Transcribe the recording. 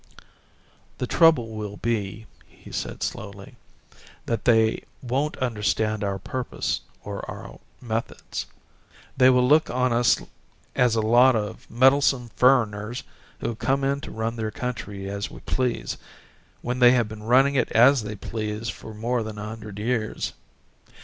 "The trouble will be," he said slowly, "that they won't understand our purpose or our methods. They will look on us as a lot of meddlesome 'furriners' who have come in to run their country as we please, when they have been running it as they please for more than a hundred years.